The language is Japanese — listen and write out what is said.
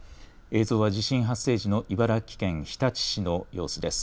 映像は地震発生時の茨城県日立市の様子です。